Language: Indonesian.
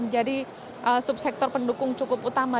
jadi subsektor pendukung cukup utama